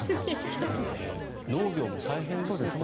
農業も大変ですね。